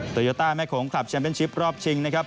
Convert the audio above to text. โยต้าแม่โขงคลับแชมเป็นชิปรอบชิงนะครับ